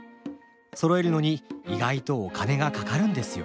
そろえるのに意外とお金がかかるんですよねえ。